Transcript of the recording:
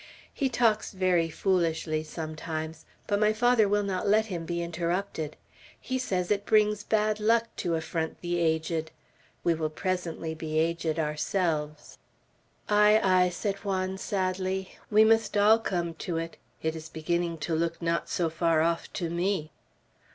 He talks very foolishly sometimes, but my father will not let him be interrupted. He says it brings bad luck to affront the aged. We will presently be aged ourselves." "Ay, ay!" said Juan, sadly. "We must all come to it. It is beginning to look not so far off to me!"